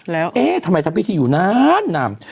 แล้วเอ๊ะทำไมทำพิธีอยู่นานนำ